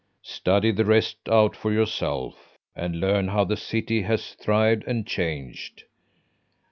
Study the rest out for yourself and learn how the city has thrived and changed.